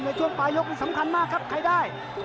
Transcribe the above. ในช่วงปลายยกนี้สำคัญมากครับใครได้